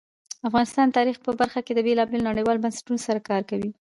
افغانستان د تاریخ په برخه کې له بېلابېلو نړیوالو بنسټونو سره کار کوي.